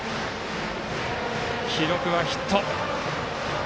記録はヒット。